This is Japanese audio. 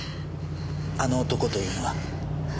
あの男というのは？